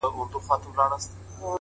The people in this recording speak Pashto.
نیک اخلاق د انسان تلپاتې ښکلا ده